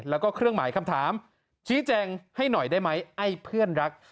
แล้วก็เครื่องหมายคำถามชี้แจงให้หน่อยได้ไหมไอ้เพื่อนรัก